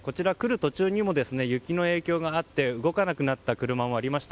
途中にも雪の影響があって動かなくなった車もありました。